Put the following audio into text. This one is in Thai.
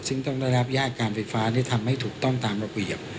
ซึ่งต้องรับย่ายการไฟฟ้าที่ทำให้ถูกต้องตามระเบียบ